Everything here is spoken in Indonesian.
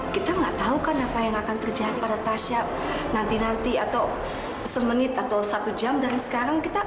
kita nggak tahu kan apa yang akan terjadi pada tasya nanti nanti atau semenit atau satu jam dari sekarang kita